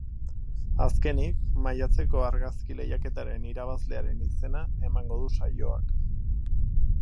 Azkenik, maiatzeko argazki-lehiaketaren irabazlearen izena emango du saioak.